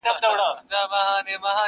یوه لمسي ورڅخه وپوښتل چي ګرانه بابا؛